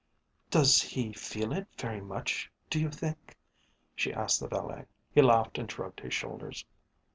"Does he feel it very much, do you think?" she asked the valet. He laughed and shrugged his shoulders.